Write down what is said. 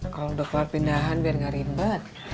kalau udah keluar pindahan biar nggak rimba